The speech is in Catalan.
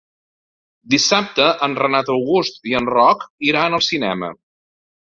Dissabte en Renat August i en Roc iran al cinema.